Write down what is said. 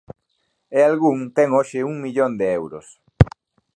E algún ten hoxe un millón de euros.